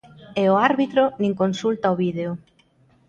E o árbitro nin consulta o vídeo.